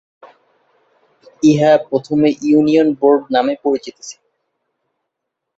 ইহা প্রথমে union board নামে পরিচিত ছিল।